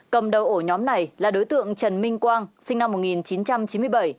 cầm đầu ổ nhóm này là đối tượng trần minh quang sinh năm một nghìn chín trăm chín mươi bảy